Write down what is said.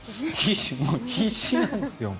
必死なんですよ。